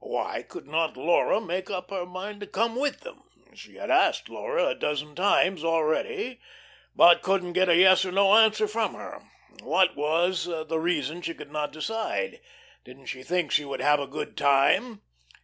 Why could not Laura make up her mind to come with them? She had asked Laura a dozen times already, but couldn't get a yes or no answer from her. What was the reason she could not decide? Didn't she think she would have a good time?